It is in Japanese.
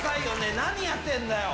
何やってんだよ。